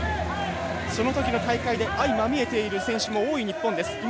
そのときの大会で相まみえている選手も多い日本です。